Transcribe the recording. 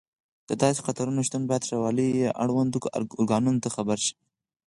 د داسې خطرونو شتون باید ښاروالۍ یا اړوندو ارګانونو ته خبر شي.